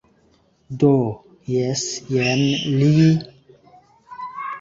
Do, jes jen li...